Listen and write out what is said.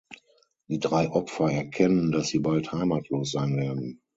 Die drei Opfer erkennen, dass sie bald heimatlos sein werden.